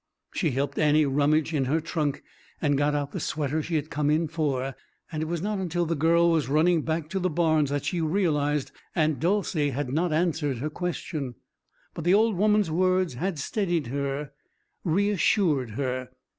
She helped Annie rummage in her trunk and get out the sweater she had come in for, and it was not until the girl was running back to the barns that she realized Aunt Dolcey had not answered her question. But the old woman's words had steadied her, reassured her.